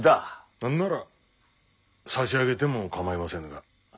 何なら差し上げても構いませぬが。